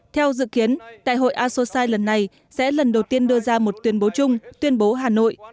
theo dự kiến đại hội asosai lần này sẽ lần đầu tiên đưa ra một tuyên bố chung tuyên bố hà nội